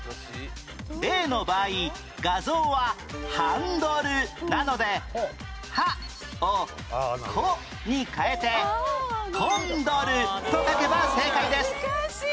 例の場合画像はハンドルなので「ハ」を「コ」に替えて「コンドル」と書けば正解です